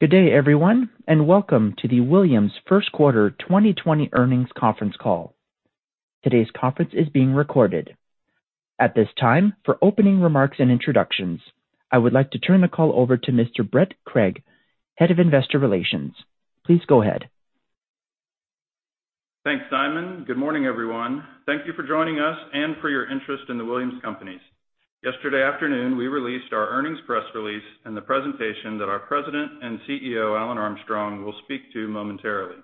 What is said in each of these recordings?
Good day, everyone. Welcome to the Williams first quarter 2020 earnings conference call. Today's conference is being recorded. At this time, for opening remarks and introductions, I would like to turn the call over to Mr. Brett Craig, Head of Investor Relations. Please go ahead. Thanks, Simon. Good morning, everyone. Thank you for joining us and for your interest in The Williams Companies. Yesterday afternoon, we released our earnings press release and the presentation that our President and CEO, Alan Armstrong, will speak to momentarily.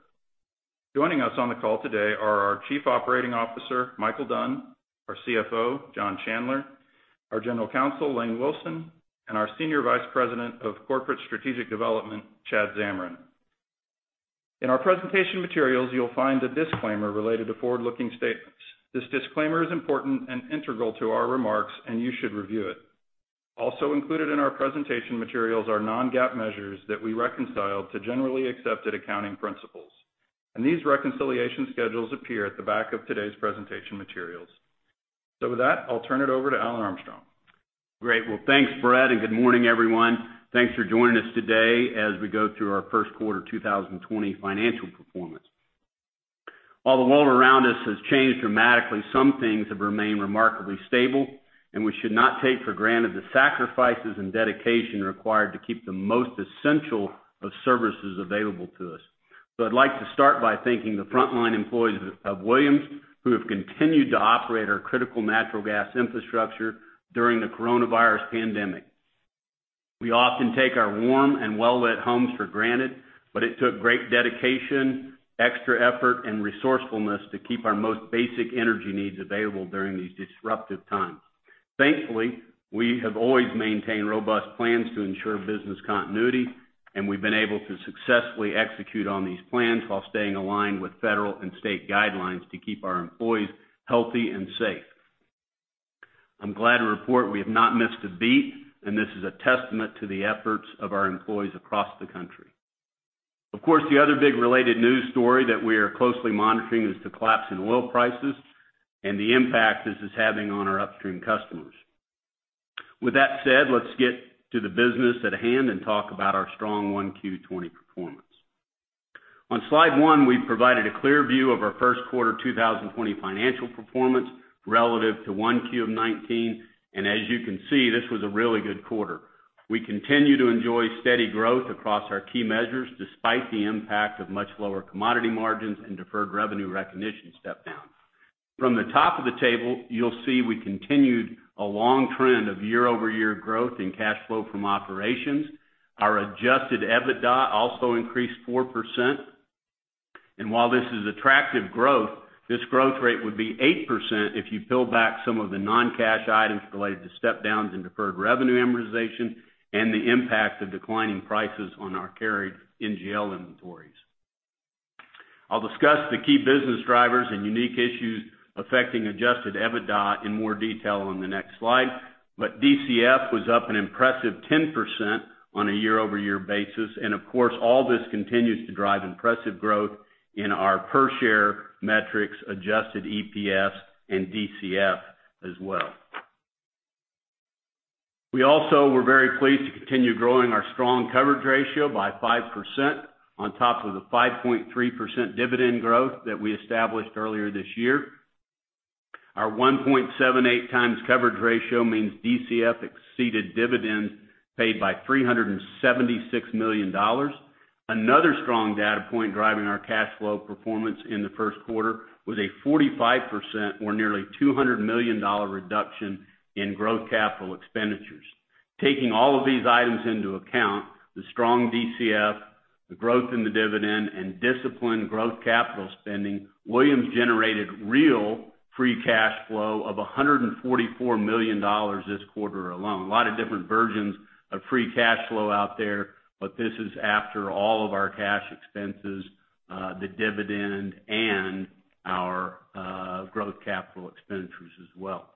Joining us on the call today are our Chief Operating Officer, Micheal Dunn, our CFO, John Chandler, our General Counsel, Lane Wilson, and our Senior Vice President of Corporate Strategic Development, Chad Zamarin. In our presentation materials, you'll find a disclaimer related to forward-looking statements. This disclaimer is important and integral to our remarks, and you should review it. Also included in our presentation materials are non-GAAP measures that we reconcile to generally accepted accounting principles. These reconciliation schedules appear at the back of today's presentation materials. With that, I'll turn it over to Alan Armstrong. Great. Thanks, Brett, and good morning, everyone. Thanks for joining us today as we go through our first quarter 2020 financial performance. While the world around us has changed dramatically, some things have remained remarkably stable, and we should not take for granted the sacrifices and dedication required to keep the most essential of services available to us. I'd like to start by thanking the frontline employees of Williams, who have continued to operate our critical natural gas infrastructure during the coronavirus pandemic. We often take our warm and well-lit homes for granted, it took great dedication, extra effort, and resourcefulness to keep our most basic energy needs available during these disruptive times. Thankfully, we have always maintained robust plans to ensure business continuity, and we've been able to successfully execute on these plans while staying aligned with federal and state guidelines to keep our employees healthy and safe. I'm glad to report we have not missed a beat, and this is a testament to the efforts of our employees across the country. The other big related news story that we are closely monitoring is the collapse in oil prices and the impact this is having on our upstream customers. With that said, let's get to the business at hand and talk about our strong 1Q 2020 performance. On slide one, we've provided a clear view of our first quarter 2020 financial performance relative to 1Q 2019. As you can see, this was a really good quarter. We continue to enjoy steady growth across our key measures, despite the impact of much lower commodity margins and deferred revenue recognition step-downs. From the top of the table, you'll see we continued a long trend of year-over-year growth in cash flow from operations. Our adjusted EBITDA also increased 4%. While this is attractive growth, this growth rate would be 8% if you peel back some of the non-cash items related to step-downs in deferred revenue amortization and the impact of declining prices on our carried NGL inventories. I'll discuss the key business drivers and unique issues affecting adjusted EBITDA in more detail on the next slide. DCF was up an impressive 10% on a year-over-year basis. Of course, all this continues to drive impressive growth in our per-share metrics, adjusted EPS, and DCF as well. We also were very pleased to continue growing our strong coverage ratio by 5% on top of the 5.3% dividend growth that we established earlier this year. Our 1.78x coverage ratio means DCF exceeded dividends paid by $376 million. Another strong data point driving our cash flow performance in the first quarter was a 45%, or nearly $200 million reduction in growth capital expenditures. Taking all of these items into account, the strong DCF, the growth in the dividend, and disciplined growth capital spending, Williams generated real free cash flow of $144 million this quarter alone. A lot of different versions of free cash flow out there, but this is after all of our cash expenses, the dividend, and our growth capital expenditures as well.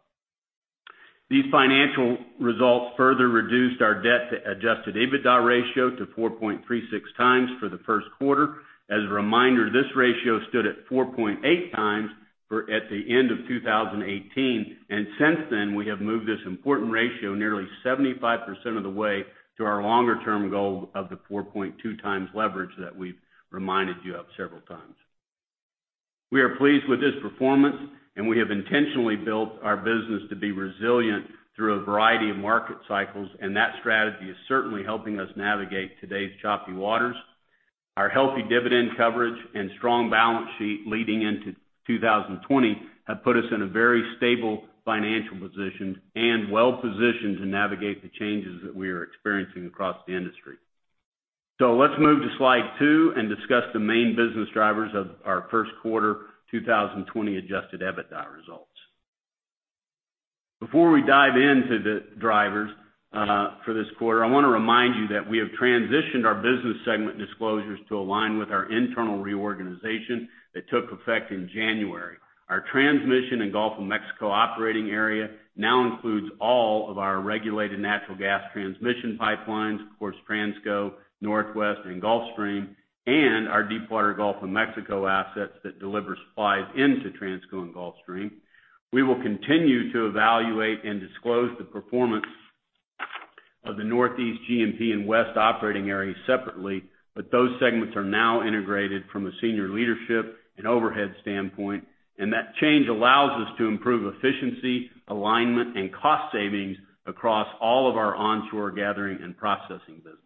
These financial results further reduced our debt-to-adjusted EBITDA ratio to 4.36x for the first quarter. As a reminder, this ratio stood at 4.8x at the end of 2018, and since then, we have moved this important ratio nearly 75% of the way to our longer-term goal of the 4.2 times leverage that we've reminded you of several times. We are pleased with this performance, and we have intentionally built our business to be resilient through a variety of market cycles, and that strategy is certainly helping us navigate today's choppy waters. Our healthy dividend coverage and strong balance sheet leading into 2020 have put us in a very stable financial position and well-positioned to navigate the changes that we are experiencing across the industry. Let's move to slide two and discuss the main business drivers of our first quarter 2020 adjusted EBITDA results. Before we dive into the drivers for this quarter, I want to remind you that we have transitioned our business segment disclosures to align with our internal reorganization that took effect in January. Our Transmission in Gulf of Mexico operating area now includes all of our regulated natural gas transmission pipelines, of course, Transco, Northwest, and Gulfstream, and our Deepwater Gulf of Mexico assets that deliver supplies into Transco and Gulfstream. We will continue to evaluate and disclose the performance of the Northeast G&P and West operating areas separately, but those segments are now integrated from a senior leadership and overhead standpoint. That change allows us to improve efficiency, alignment, and cost savings across all of our onshore gathering and processing business.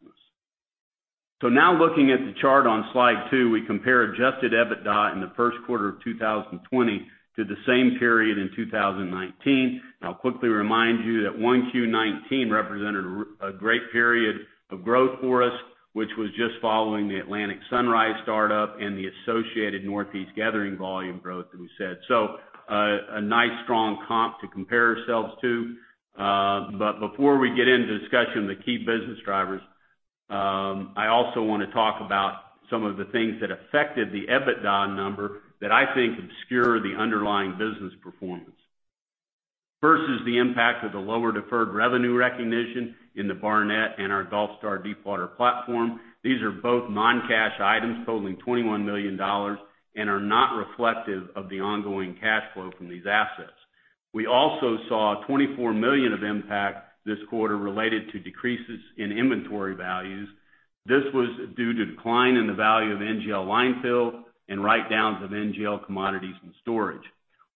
Now looking at the chart on slide two, we compare adjusted EBITDA in the first quarter of 2020 to the same period in 2019. I'll quickly remind you that 1Q19 represented a great period of growth for us, which was just following the Atlantic Sunrise startup and the associated Northeast gathering volume growth that we said. A nice strong comp to compare ourselves to. Before we get into discussion the key business drivers, I also want to talk about some of the things that affected the EBITDA number that I think obscure the underlying business performance. First is the impact of the lower deferred revenue recognition in the Barnett and our Gulfstar Deepwater platform. These are both non-cash items totaling $21 million and are not reflective of the ongoing cash flow from these assets. We also saw $24 million of impact this quarter related to decreases in inventory values. This was due to decline in the value of NGL line fill and write-downs of NGL commodities and storage.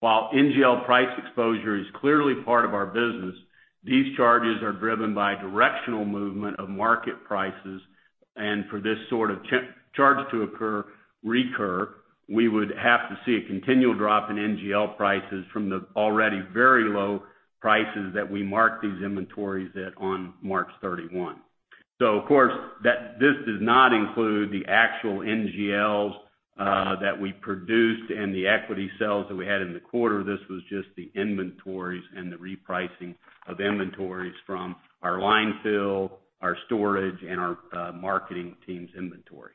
While NGL price exposure is clearly part of our business, these charges are driven by directional movement of market prices, and for this sort of charge to recur, we would have to see a continual drop in NGL prices from the already very low prices that we marked these inventories at on March 31. Of course, this does not include the actual NGLs that we produced and the equity sales that we had in the quarter. This was just the inventories and the repricing of inventories from our line fill, our storage, and our marketing team's inventory.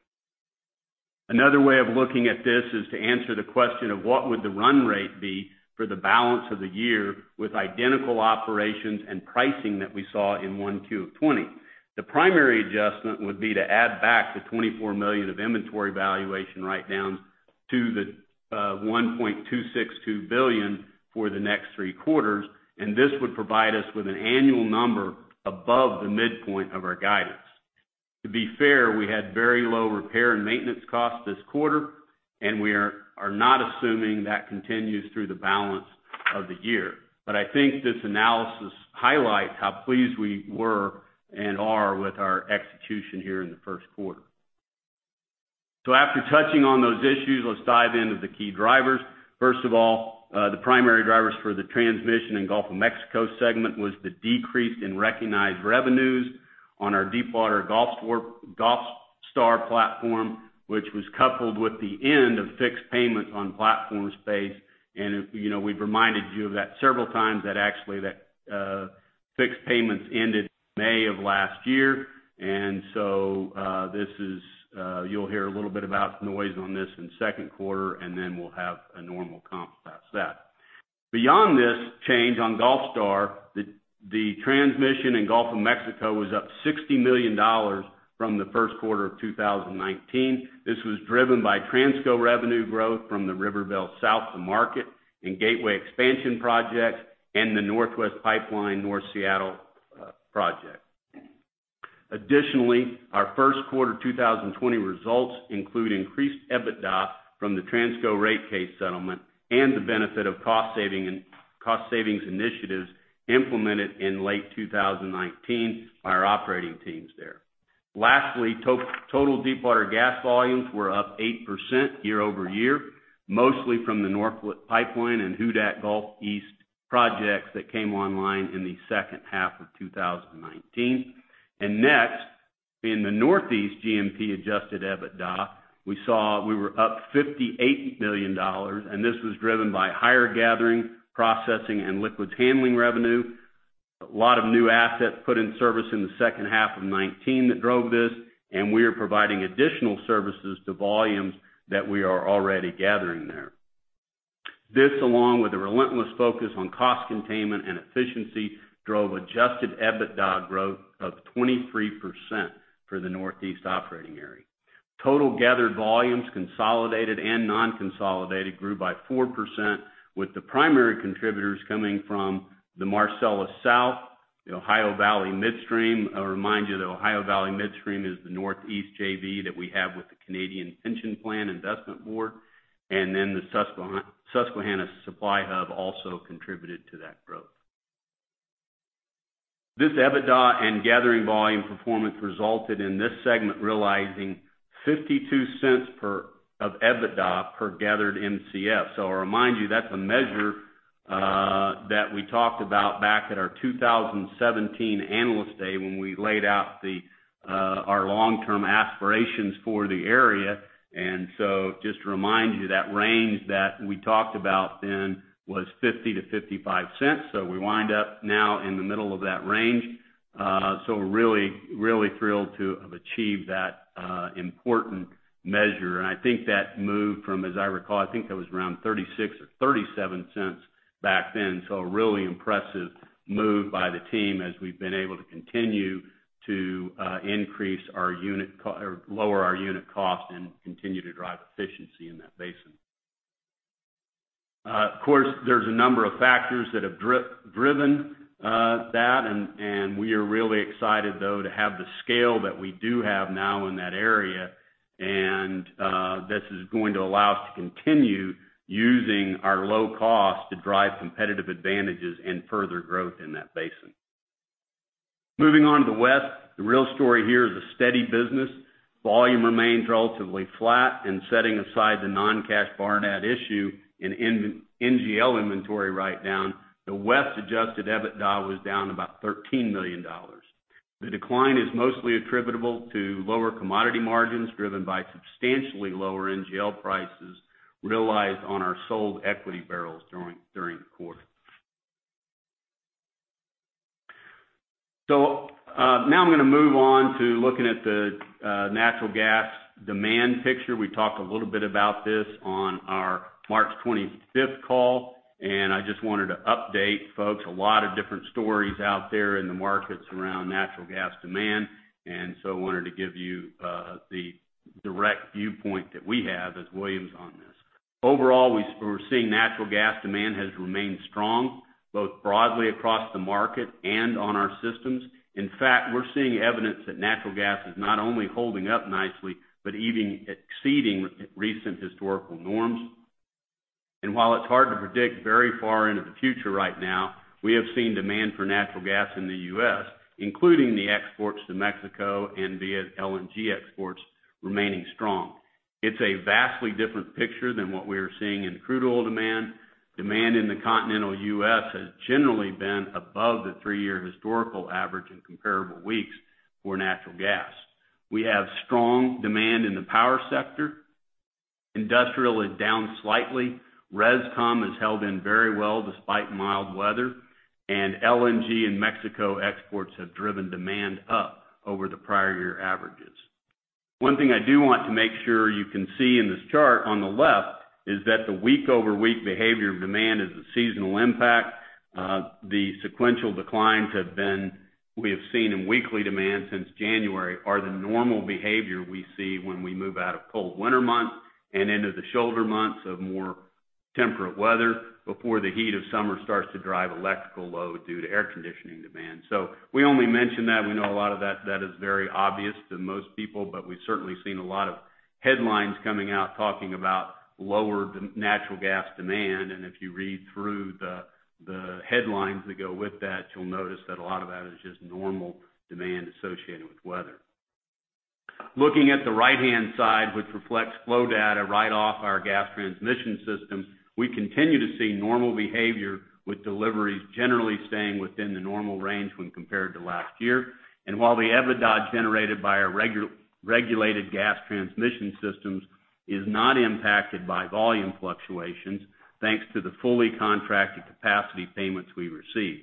Another way of looking at this is to answer the question of what would the run rate be for the balance of the year with identical operations and pricing that we saw in 1Q of 2020. The primary adjustment would be to add back the $24 million of inventory valuation write-downs to the $1.262 billion for the next three quarters. This would provide us with an annual number above the midpoint of our guidance. To be fair, we had very low repair and maintenance costs this quarter. We are not assuming that continues through the balance of the year. I think this analysis highlights how pleased we were and are with our execution here in the first quarter. After touching on those issues, let's dive into the key drivers. First of all, the primary drivers for the transmission in Gulf of Mexico segment was the decrease in recognized revenues on our Deepwater Gulfstar platform, which was coupled with the end of fixed payments on platform space. We've reminded you of that several times that actually that fixed payments ended May of last year. You'll hear a little bit about noise on this in the second quarter, then we'll have a normal comp past that. Beyond this change on Gulfstar, the transmission in Gulf of Mexico was up $60 million from the first quarter of 2019. This was driven by Transco revenue growth from the Rivervale South to Market and Gateway expansion projects and the Northwest Pipeline North Seattle project. Additionally, our first quarter 2020 results include increased EBITDA from the Transco rate case settlement and the benefit of cost savings initiatives implemented in late 2019 by our operating teams there. Lastly, total deepwater gas volumes were up 8% year-over-year, mostly from the Norphlet Pipeline and Hudat Gulf East projects that came online in the second half of 2019. Next, in the Northeast G&P adjusted EBITDA, we saw we were up $58 million, and this was driven by higher gathering, processing, and liquids handling revenue. A lot of new assets put in service in the second half of 2019 that drove this, and we are providing additional services to volumes that we are already gathering there. This, along with a relentless focus on cost containment and efficiency, drove adjusted EBITDA growth of 23% for the Northeast operating area. Total gathered volumes, consolidated and non-consolidated, grew by 4%, with the primary contributors coming from the Marcellus South, the Ohio Valley Midstream. I'll remind you that Ohio Valley Midstream is the Northeast JV that we have with the Canadian Pension Plan Investment Board. The Susquehanna supply hub also contributed to that growth. This EBITDA and gathering volume performance resulted in this segment realizing $0.52 of EBITDA per gathered Mcf. I'll remind you, that's a measure that we talked about back at our 2017 Analyst Day when we laid out our long-term aspirations for the area. Just to remind you, that range that we talked about then was $0.50-$0.55. We wind up now in the middle of that range. We're really thrilled to have achieved that important measure. I think that moved from, as I recall, I think it was around $0.36 or $0.37 back then. A really impressive move by the team as we've been able to continue to lower our unit cost and continue to drive efficiency in that basin. Of course, there's a number of factors that have driven that, and we are really excited, though, to have the scale that we do have now in that area. This is going to allow us to continue using our low cost to drive competitive advantages and further growth in that basin. Moving on to the West, the real story here is a steady business. Volume remains relatively flat, and setting aside the non-cash Barnett issue and NGL inventory write-down, the West adjusted EBITDA was down about $13 million. The decline is mostly attributable to lower commodity margins driven by substantially lower NGL prices realized on our sold equity barrels during the quarter. Now I'm going to move on to looking at the natural gas demand picture. We talked a little bit about this on our March 25th call, and I just wanted to update folks. A lot of different stories out there in the markets around natural gas demand, and so I wanted to give you the direct viewpoint that we have as Williams on this. Overall, we're seeing natural gas demand has remained strong, both broadly across the market and on our systems. In fact, we're seeing evidence that natural gas is not only holding up nicely, but even exceeding recent historical norms. While it's hard to predict very far into the future right now, we have seen demand for natural gas in the U.S., including the exports to Mexico and via LNG exports, remaining strong. It's a vastly different picture than what we are seeing in crude oil demand. Demand in the continental U.S. has generally been above the three-year historical average in comparable weeks for natural gas. We have strong demand in the power sector. Industrial is down slightly. Res com has held in very well despite mild weather, and LNG and Mexico exports have driven demand up over the prior year averages. One thing I do want to make sure you can see in this chart on the left is that the week-over-week behavior of demand is a seasonal impact. The sequential declines we have seen in weekly demand since January are the normal behavior we see when we move out of cold winter months and into the shoulder months of more temperate weather before the heat of summer starts to drive electrical load due to air conditioning demand. We only mention that. We know a lot of that is very obvious to most people, but we've certainly seen a lot of headlines coming out talking about lower natural gas demand. If you read through the headlines that go with that, you'll notice that a lot of that is just normal demand associated with weather. Looking at the right-hand side, which reflects flow data right off our gas transmission system, we continue to see normal behavior with deliveries generally staying within the normal range when compared to last year. While the EBITDA generated by our regulated gas transmission systems is not impacted by volume fluctuations, thanks to the fully contracted capacity payments we receive.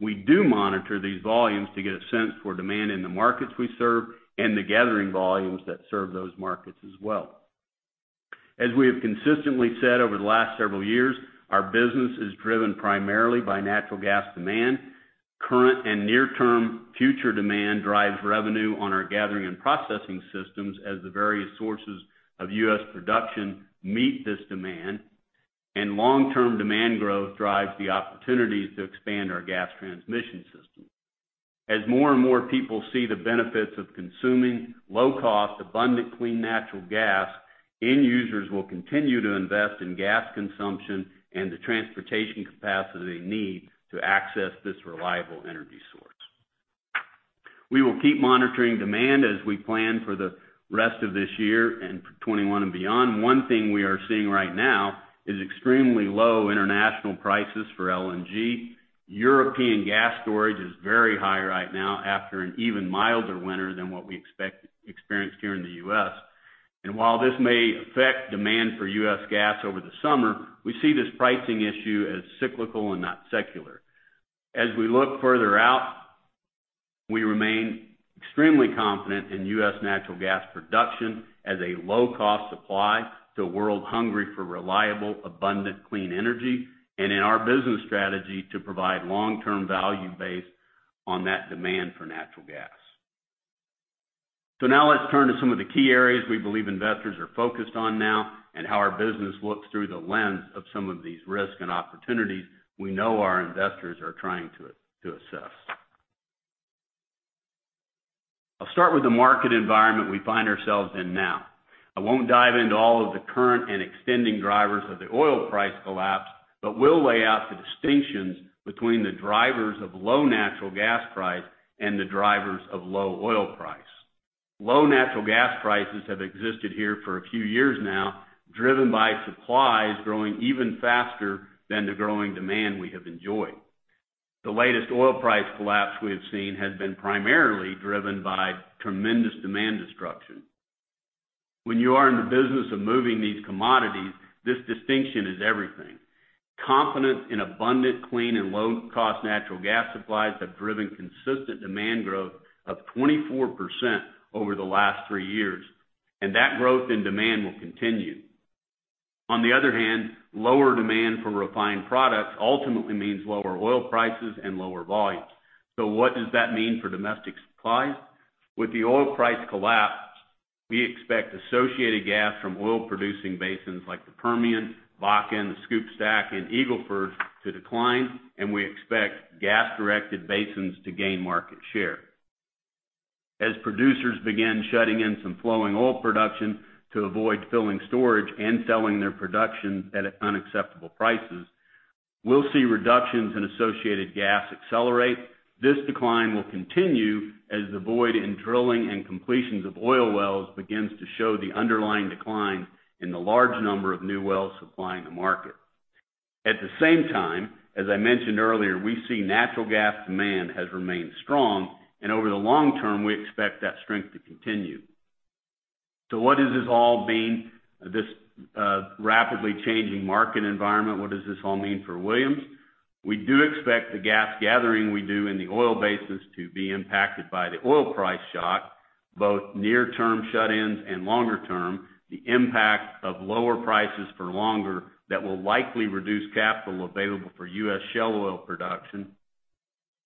We do monitor these volumes to get a sense for demand in the markets we serve and the gathering volumes that serve those markets as well. As we have consistently said over the last several years, our business is driven primarily by natural gas demand. Current and near-term future demand drives revenue on our gathering and processing systems as the various sources of U.S. production meet this demand, and long-term demand growth drives the opportunities to expand our gas transmission system. As more and more people see the benefits of consuming low-cost, abundant clean natural gas, end users will continue to invest in gas consumption and the transportation capacity they need to access this reliable energy source. We will keep monitoring demand as we plan for the rest of this year and for 2021 and beyond. One thing we are seeing right now is extremely low international prices for LNG. European gas storage is very high right now after an even milder winter than what we experienced here in the U.S. While this may affect demand for U.S. gas over the summer, we see this pricing issue as cyclical and not secular. As we look further out, we remain extremely confident in U.S. natural gas production as a low-cost supply to a world hungry for reliable, abundant, clean energy and in our business strategy to provide long-term value based on that demand for natural gas. Now let's turn to some of the key areas we believe investors are focused on now and how our business looks through the lens of some of these risks and opportunities we know our investors are trying to assess. I'll start with the market environment we find ourselves in now. I won't dive into all of the current and extending drivers of the oil price collapse, but will lay out the distinctions between the drivers of low natural gas price and the drivers of low oil price. Low natural gas prices have existed here for a few years now, driven by supplies growing even faster than the growing demand we have enjoyed. The latest oil price collapse we have seen has been primarily driven by tremendous demand destruction. When you are in the business of moving these commodities, this distinction is everything. Confidence in abundant, clean, and low-cost natural gas supplies have driven consistent demand growth of 24% over the last three years. That growth in demand will continue. On the other hand, lower demand for refined products ultimately means lower oil prices and lower volumes. What does that mean for domestic supply? We expect associated gas from oil-producing basins like the Permian, Bakken, the SCOOP/STACK, and Eagle Ford to decline. We expect gas-directed basins to gain market share. As producers begin shutting in some flowing oil production to avoid filling storage and selling their production at unacceptable prices, we'll see reductions in associated gas accelerate. This decline will continue as the void in drilling and completions of oil wells begins to show the underlying decline in the large number of new wells supplying the market. At the same time, as I mentioned earlier, we see natural gas demand has remained strong. Over the long term, we expect that strength to continue. What does this all mean, this rapidly changing market environment? What does this all mean for Williams? We do expect the gas gathering we do in the oil basins to be impacted by the oil price shock, both near-term shut-ins and longer-term, the impact of lower prices for longer that will likely reduce capital available for U.S. shale oil production.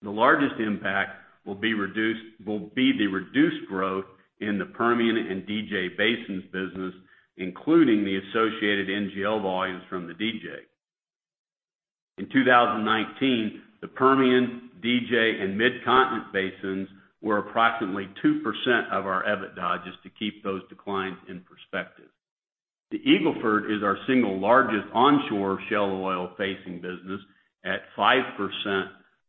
The largest impact will be the reduced growth in the Permian and DJ Basins business, including the associated NGL volumes from the DJ. In 2019, the Permian, DJ, and Mid-Continent Basins were approximately 2% of our EBITDA, just to keep those declines in perspective. The Eagle Ford is our single largest onshore shale oil-facing business at 5%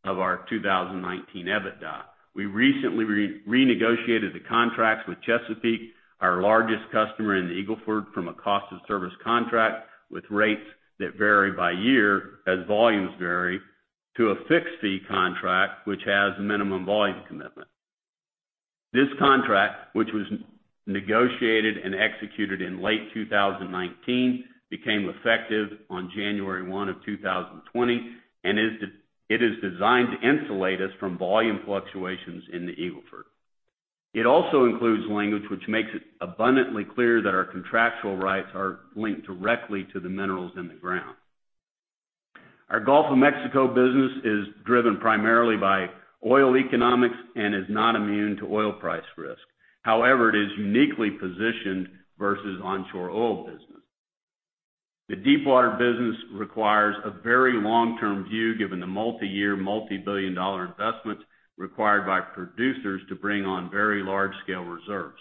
of our 2019 EBITDA. We recently renegotiated the contracts with Chesapeake, our largest customer in the Eagle Ford, from a cost of service contract with rates that vary by year as volumes vary, to a fixed-fee contract, which has minimum volume commitment. This contract, which was negotiated and executed in late 2019, became effective on January 1 of 2020, and it is designed to insulate us from volume fluctuations in the Eagle Ford. It also includes language which makes it abundantly clear that our contractual rights are linked directly to the minerals in the ground. Our Gulf of Mexico business is driven primarily by oil economics and is not immune to oil price risk. However, it is uniquely positioned versus onshore oil business. The deepwater business requires a very long-term view given the multi-year, multi-billion-dollar investments required by producers to bring on very large-scale reserves.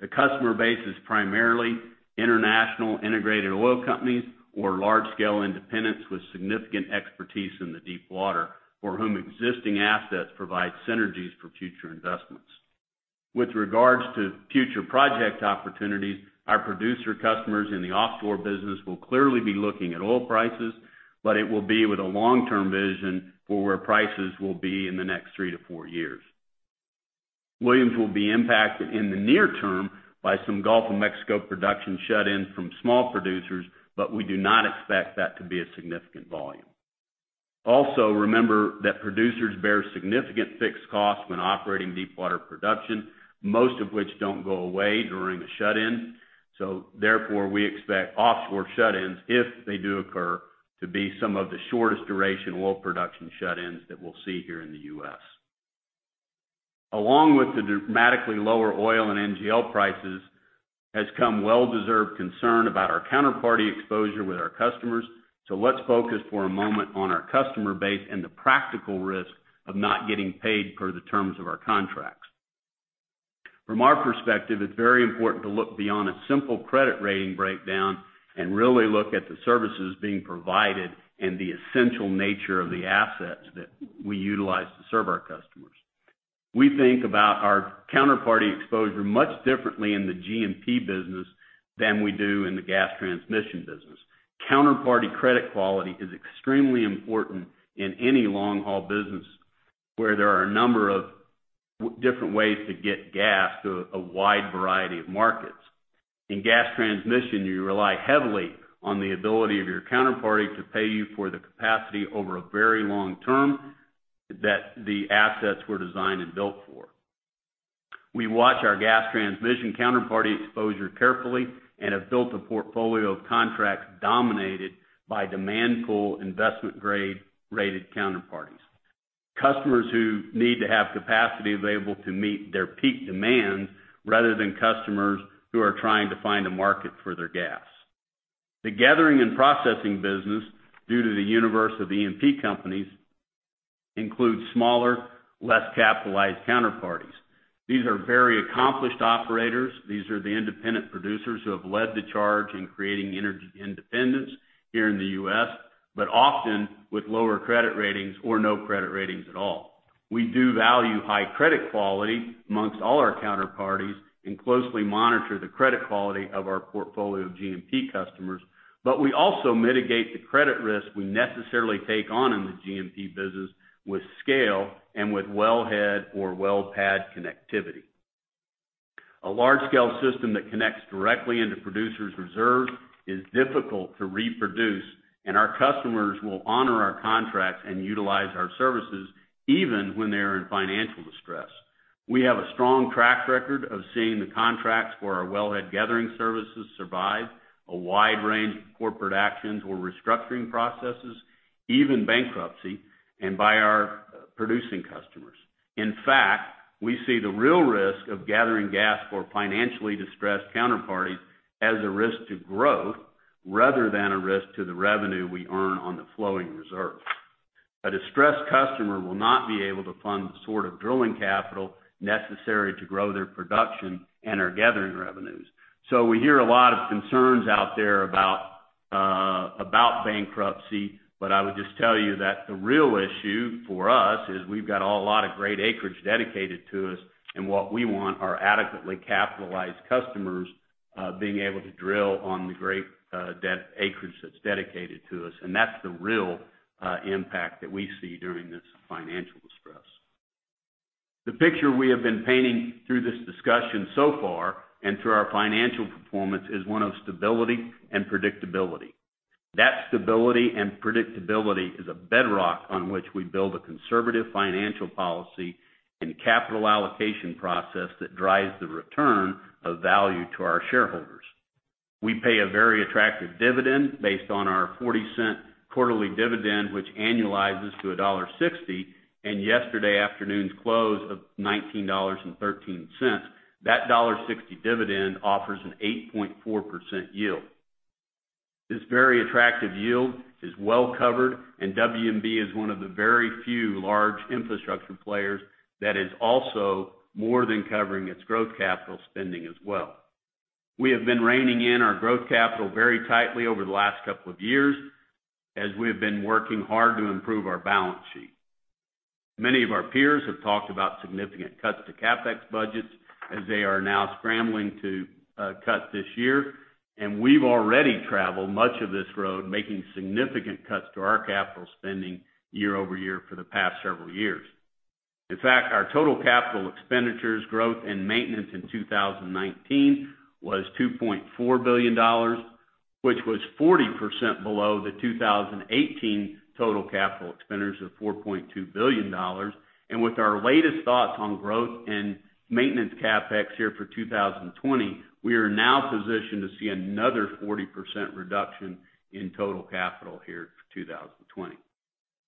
The customer base is primarily international integrated oil companies or large-scale independents with significant expertise in the deepwater, for whom existing assets provide synergies for future investments. With regards to future project opportunities, our producer customers in the offshore business will clearly be looking at oil prices, but it will be with a long-term vision for where prices will be in the next three to four years. Williams will be impacted in the near term by some Gulf of Mexico production shut-ins from small producers, but we do not expect that to be a significant volume. Remember that producers bear significant fixed costs when operating deepwater production, most of which don't go away during a shut-in. Therefore, we expect offshore shut-ins, if they do occur, to be some of the shortest duration oil production shut-ins that we'll see here in the U.S. Along with the dramatically lower oil and NGL prices has come well-deserved concern about our counterparty exposure with our customers. Let's focus for a moment on our customer base and the practical risk of not getting paid per the terms of our contracts. From our perspective, it's very important to look beyond a simple credit rating breakdown and really look at the services being provided and the essential nature of the assets that we utilize to serve our customers. We think about our counterparty exposure much differently in the G&P business than we do in the gas transmission business. Counterparty credit quality is extremely important in any long-haul business where there are a number of different ways to get gas to a wide variety of markets. In gas transmission, you rely heavily on the ability of your counterparty to pay you for the capacity over a very long term that the assets were designed and built for. We watch our gas transmission counterparty exposure carefully and have built a portfolio of contracts dominated by demand pool, investment-grade rated counterparties. Customers who need to have capacity available to meet their peak demands rather than customers who are trying to find a market for their gas. The gathering and processing business, due to the universe of E&P companies, includes smaller, less capitalized counterparties. These are very accomplished operators. These are the independent producers who have led the charge in creating energy independence here in the U.S., but often with lower credit ratings or no credit ratings at all. We do value high credit quality amongst all our counterparties and closely monitor the credit quality of our portfolio of G&P customers. We also mitigate the credit risk we necessarily take on in the G&P business with scale and with wellhead or well pad connectivity. A large-scale system that connects directly into producers' reserves is difficult to reproduce, and our customers will honor our contracts and utilize our services even when they are in financial distress. We have a strong track record of seeing the contracts for our wellhead gathering services survive a wide range of corporate actions or restructuring processes, even bankruptcy, and by our producing customers. In fact, we see the real risk of gathering gas for financially distressed counterparties as a risk to growth rather than a risk to the revenue we earn on the flowing reserves. A distressed customer will not be able to fund the sort of drilling capital necessary to grow their production and our gathering revenues. We hear a lot of concerns out there about bankruptcy, but I would just tell you that the real issue for us is we've got a lot of great acreage dedicated to us, and what we want are adequately capitalized customers being able to drill on the great acreage that's dedicated to us, and that's the real impact that we see during this financial distress. The picture we have been painting through this discussion so far, and through our financial performance, is one of stability and predictability. That stability and predictability is a bedrock on which we build a conservative financial policy and capital allocation process that drives the return of value to our shareholders. We pay a very attractive dividend based on our $0.40 quarterly dividend, which annualizes to $1.60, and yesterday afternoon's close of $19.13. That $1.60 dividend offers an 8.4% yield. This very attractive yield is well covered. WMB is one of the very few large infrastructure players that is also more than covering its growth capital spending as well. We have been reining in our growth capital very tightly over the last couple of years as we have been working hard to improve our balance sheet. Many of our peers have talked about significant cuts to CapEx budgets as they are now scrambling to cut this year. We've already traveled much of this road, making significant cuts to our capital spending year-over-year for the past several years. In fact, our total capital expenditures, growth, and maintenance in 2019 was $2.4 billion, which was 40% below the 2018 total capital expenditures of $4.2 billion. With our latest thoughts on growth and maintenance CapEx here for 2020, we are now positioned to see another 40% reduction in total capital here for 2020.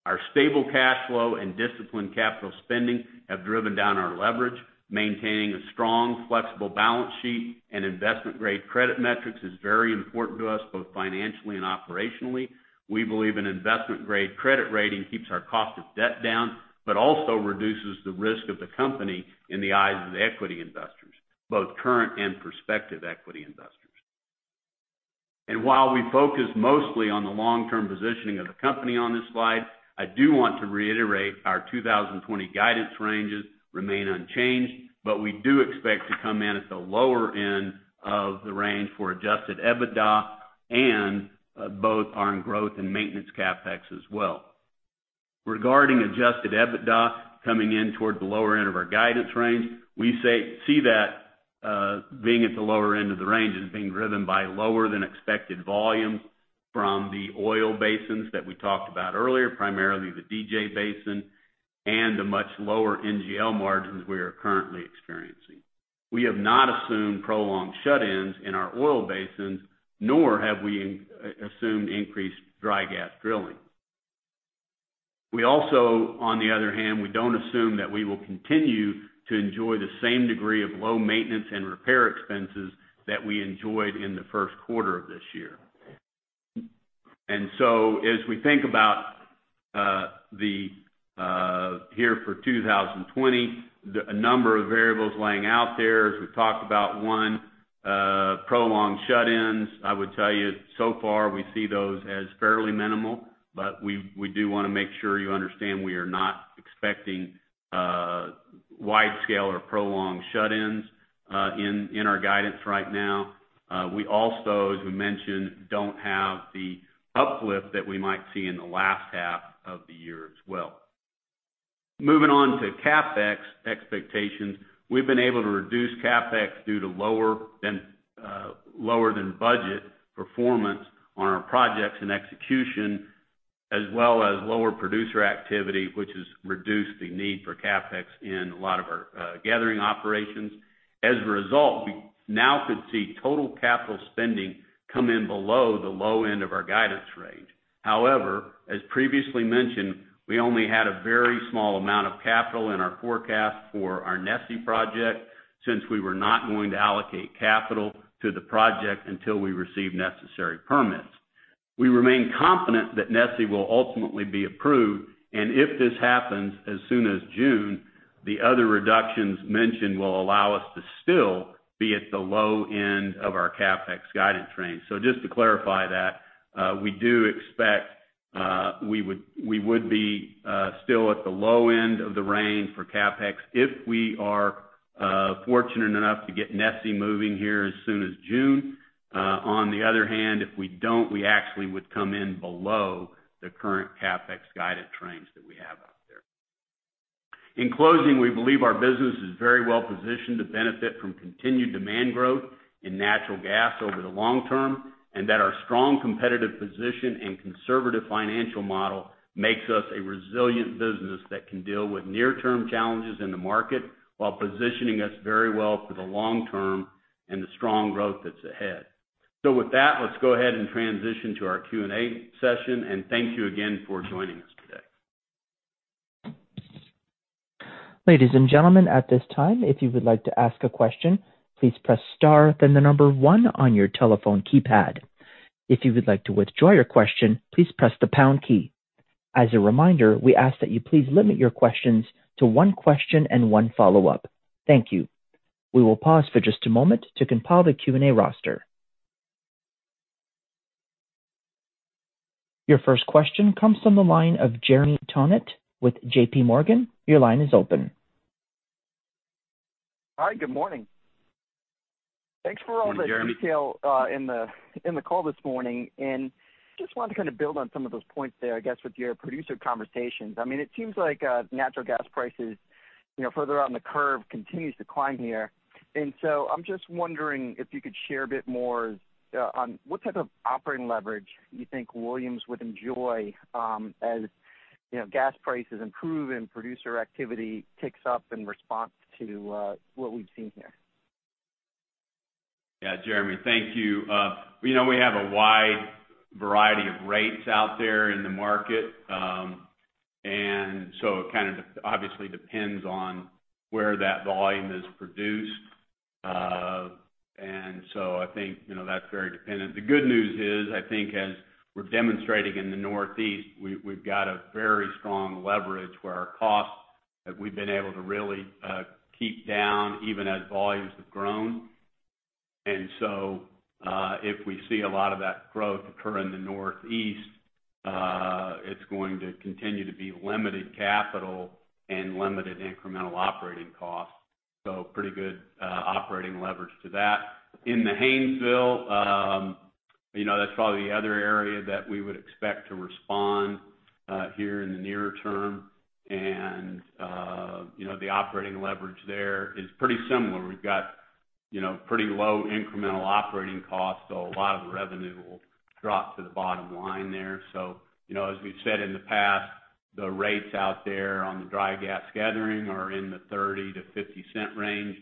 Our stable cash flow and disciplined capital spending have driven down our leverage. Maintaining a strong, flexible balance sheet and investment-grade credit metrics is very important to us, both financially and operationally. We believe an investment-grade credit rating keeps our cost of debt down, but also reduces the risk of the company in the eyes of the equity investors, both current and prospective equity investors. While we focus mostly on the long-term positioning of the company on this slide, I do want to reiterate our 2020 guidance ranges remain unchanged, but we do expect to come in at the lower end of the range for adjusted EBITDA and both on growth and maintenance CapEx as well. Regarding adjusted EBITDA coming in toward the lower end of our guidance range, we see that being at the lower end of the range is being driven by lower than expected volume from the oil basins that we talked about earlier, primarily the DJ Basin and the much lower NGL margins we are currently experiencing. We have not assumed prolonged shut-ins in our oil basins, nor have we assumed increased dry gas drilling. We also, on the other hand, we don't assume that we will continue to enjoy the same degree of low maintenance and repair expenses that we enjoyed in the first quarter of this year. As we think about here for 2020, a number of variables laying out there, as we've talked about, one, prolonged shut-ins. I would tell you so far, we see those as fairly minimal, we do want to make sure you understand we are not expecting widescale or prolonged shut-ins in our guidance right now. We also, as we mentioned, don't have the uplift that we might see in the last half of the year as well. Moving on to CapEx expectations. We've been able to reduce CapEx due to lower than budget performance on our projects and execution, as well as lower producer activity, which has reduced the need for CapEx in a lot of our gathering operations. As a result, we now could see total capital spending come in below the low end of our guidance range. However, as previously mentioned, we only had a very small amount of capital in our forecast for our NESI project since we were not going to allocate capital to the project until we receive necessary permits. We remain confident that NESI will ultimately be approved, and if this happens as soon as June, the other reductions mentioned will allow us to still be at the low end of our CapEx guidance range. Just to clarify that, we do expect we would be still at the low end of the range for CapEx if we are fortunate enough to get NESI moving here as soon as June. On the other hand, if we don't, we actually would come in below the current CapEx guidance range that we have out there. In closing, we believe our business is very well positioned to benefit from continued demand growth in natural gas over the long term, and that our strong competitive position and conservative financial model makes us a resilient business that can deal with near-term challenges in the market while positioning us very well for the long term and the strong growth that's ahead. With that, let's go ahead and transition to our Q&A session, and thank you again for joining us today. Ladies and gentlemen, at this time, if you would like to ask a question, please press star then the number one on your telephone keypad. If you would like to withdraw your question, please press the pound key. As a reminder, we ask that you please limit your questions to one question and one follow-up. Thank you. We will pause for just a moment to compile the Q&A roster. Your first question comes from the line of Jeremy Tonet with JPMorgan. Your line is open. Hi, good morning. Good morning, Jeremy. Thanks for all the detail in the call this morning. Just wanted to kind of build on some of those points there, I guess, with your producer conversations. It seems like natural gas prices further out in the curve continues to climb here. I'm just wondering if you could share a bit more on what type of operating leverage you think Williams would enjoy as gas prices improve and producer activity ticks up in response to what we've seen here. Yeah, Jeremy, thank you. We have a wide variety of rates out there in the market. It kind of obviously depends on where that volume is produced. I think that's very dependent. The good news is, I think as we're demonstrating in the Northeast, we've got a very strong leverage where our costs that we've been able to really keep down even as volumes have grown. If we see a lot of that growth occur in the Northeast, it's going to continue to be limited capital and limited incremental operating costs. Pretty good operating leverage to that. In the Haynesville, that's probably the other area that we would expect to respond here in the nearer term. The operating leverage there is pretty similar. We've got pretty low incremental operating costs, a lot of the revenue will drop to the bottom line there. As we've said in the past, the rates out there on the dry gas gathering are in the $0.30-$0.50 range,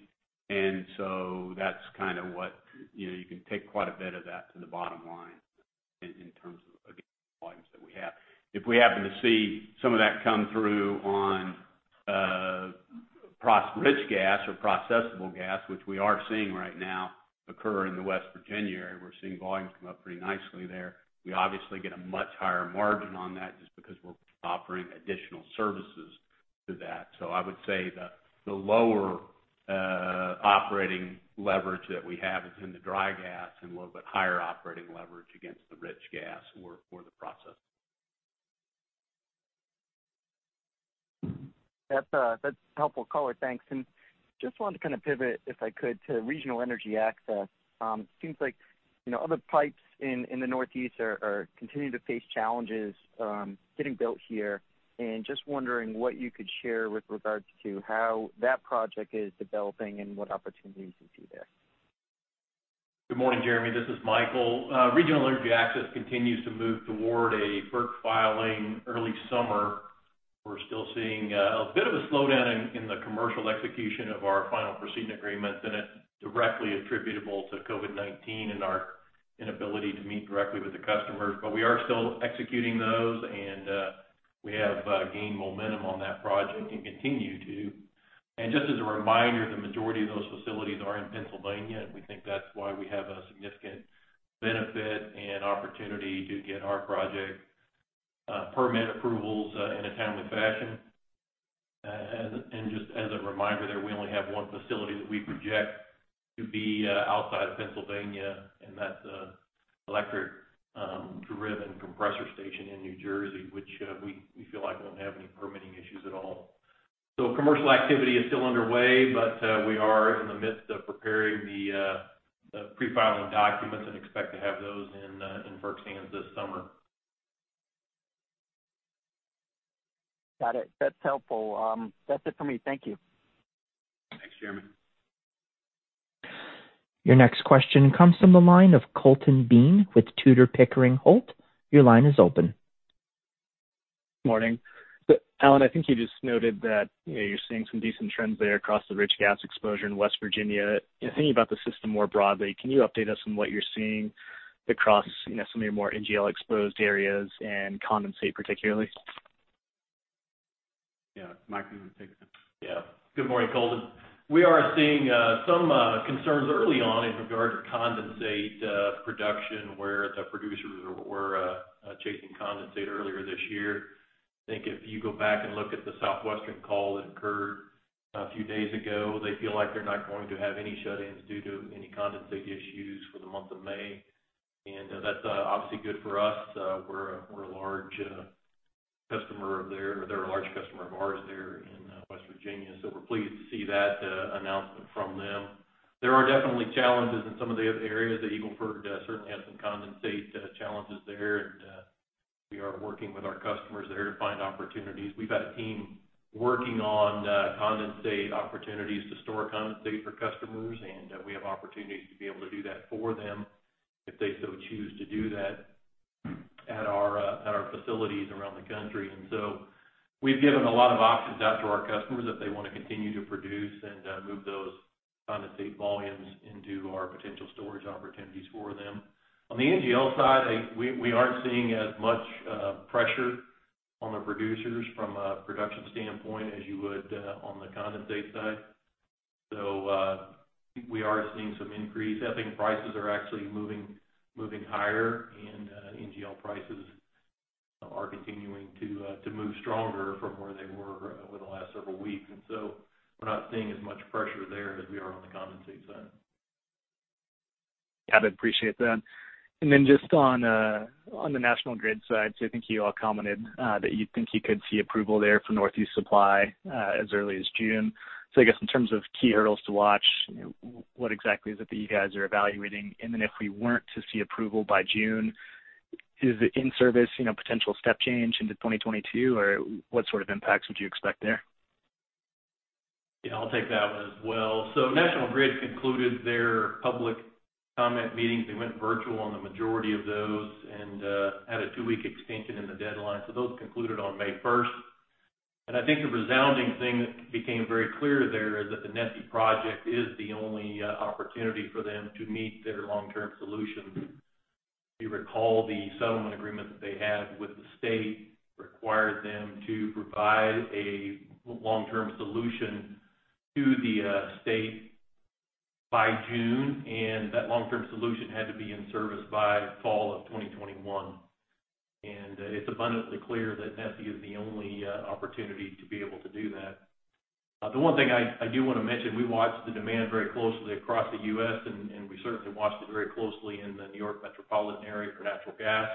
that's kind of what you can take quite a bit of that to the bottom line in terms of the volumes that we have. If we happen to see some of that come through on rich gas or processable gas, which we are seeing right now occur in the West Virginia area. We're seeing volumes come up pretty nicely there. We obviously get a much higher margin on that just because we're offering additional services to that. I would say the lower operating leverage that we have is in the dry gas and a little bit higher operating leverage against the rich gas, or the process. That's helpful color, thanks. Just wanted to kind of pivot, if I could, to Regional Energy Access. It seems like other pipes in the Northeast are continuing to face challenges getting built here, and just wondering what you could share with regards to how that project is developing and what opportunities you see there. Good morning, Jeremy. This is Micheal. Regional Energy Access continues to move toward a FERC filing early summer. We're still seeing a bit of a slowdown in the commercial execution of our final proceeding agreements, and it's directly attributable to COVID-19 and our inability to meet directly with the customers. We are still executing those and we have gained momentum on that project and continue to. Just as a reminder, the majority of those facilities are in Pennsylvania, and we think that's why we have a significant benefit and opportunity to get our project permit approvals in a timely fashion. Just as a reminder there, we only have one facility that we project to be outside of Pennsylvania, and that's an electric-driven compressor station in New Jersey, which we feel like won't have any permitting issues at all. Commercial activity is still underway, but we are in the midst of preparing the pre-filing documents and expect to have those in FERC's hands this summer. Got it. That's helpful. That's it for me. Thank you. Thanks, Jeremy. Your next question comes from the line of Colton Bean with Tudor, Pickering, Holt. Your line is open. Morning. Alan, I think you just noted that you're seeing some decent trends there across the rich gas exposure in West Virginia. Thinking about the system more broadly, can you update us on what you're seeing across some of your more NGL-exposed areas and condensate particularly? Yeah. Micheal, you want to take that? Yeah. Good morning, Colton. We are seeing some concerns early on in regard to condensate production, where the producers were chasing condensate earlier this year. I think if you go back and look at the Southwestern call that occurred a few days ago, they feel like they're not going to have any shut-ins due to any condensate issues for the month of May. That's obviously good for us. We're a large customer of theirs. They're a large customer of ours there in West Virginia, so we're pleased to see that announcement from them. There are definitely challenges in some of the other areas. Eagle Ford certainly has some condensate challenges there, and we are working with our customers there to find opportunities. We've had a team working on condensate opportunities to store condensate for customers, and we have opportunities to be able to do that for them if they so choose to do that at our facilities around the country. We've given a lot of options out to our customers if they want to continue to produce and move those condensate volumes into our potential storage opportunities for them. On the NGL side, we aren't seeing as much pressure on the producers from a production standpoint as you would on the condensate side. We are seeing some increase. I think prices are actually moving higher, and NGL prices are continuing to move stronger from where they were over the last several weeks. We're not seeing as much pressure there as we are on the condensate side. Got it. Appreciate that. Just on the National Grid side, I think you all commented that you think you could see approval there for Northeast Supply as early as June. I guess in terms of key hurdles to watch, what exactly is it that you guys are evaluating? If we weren't to see approval by June, is the in-service potential step change into 2022, or what sort of impacts would you expect there? Yeah, I'll take that one as well. National Grid concluded their public comment meetings. They went virtual on the majority of those and had a two-week extension in the deadline. Those concluded on May 1st. I think the resounding thing that became very clear there is that the NESI project is the only opportunity for them to meet their long-term solutions. If you recall, the settlement agreement that they had with the state required them to provide a long-term solution to the state by June, and that long-term solution had to be in service by fall of 2021. It's abundantly clear that NESI is the only opportunity to be able to do that. The one thing I do want to mention, we watched the demand very closely across the U.S., and we certainly watched it very closely in the New York metropolitan area for natural gas.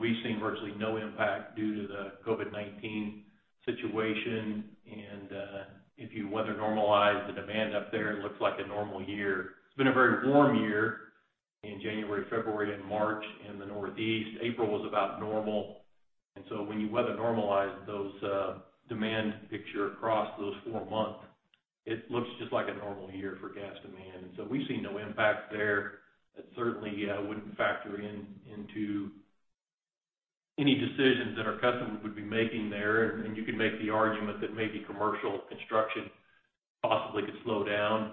We've seen virtually no impact due to the COVID-19 situation. If you weather normalize the demand up there, it looks like a normal year. It's been a very warm year in January, February, and March in the Northeast. April was about normal. When you weather normalize those demand picture across those four months, it looks just like a normal year for gas demand. We've seen no impact there. That certainly wouldn't factor into any decisions that our customers would be making there. You could make the argument that maybe commercial construction possibly could slow down.